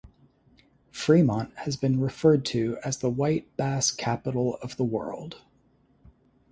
Fremont has been referred to as the White Bass Capital of the World.